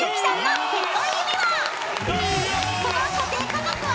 ［その査定価格は？］